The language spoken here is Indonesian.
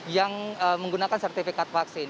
yang menggunakan sertifikat vaksin